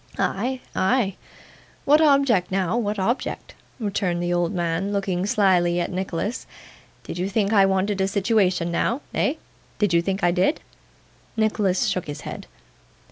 'Ay, ay? what object now what object?' returned the old man, looking slyly at Nicholas. 'Did you think I wanted a situation now eh? Did you think I did?' Nicholas shook his head.